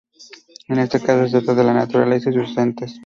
En este caso, se trata de la naturaleza y sus entes.